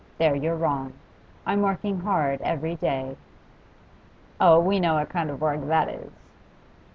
There you're wrong. I'm working hard every day.' 'Oh, we know what kind of work that is!